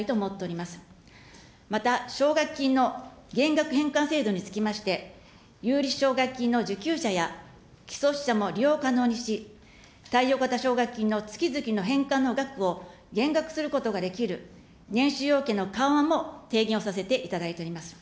また奨学金の減額返還制度につきまして、有利奨学金の受給者や、既卒者も利用可能にし、貸与型奨学金の月々の返還の額を減額することができる、年収要件の緩和も提言をさせていただいております。